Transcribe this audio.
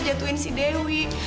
jatuhin si dewi